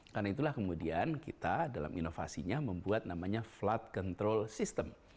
karena itulah kemudian kita dalam inovasinya membuat namanya flood control system